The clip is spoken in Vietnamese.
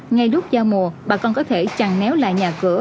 ngay lúc giao mùa bà con có thể chẳng néo lại nhà cửa